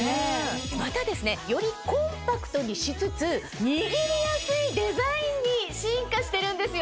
またですねよりコンパクトにしつつ握りやすいデザインに進化してるんですよ。